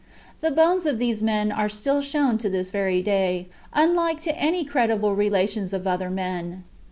The bones of these men are still shown to this very day, unlike to any credible relations of other men.